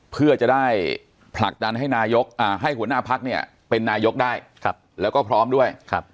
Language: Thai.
เพื่อจะได้ผลักดันให้หัวหน้าพักฯเป็นนายกได้แล้วก็พร้อมด้วย